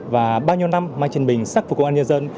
và bao nhiêu năm mai trần bình sắc phục công an nhân dân